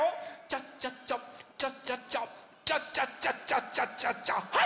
チャッチャッチャチャッチャッチャチャッチャッチャッチャッチャッチャッチャはい！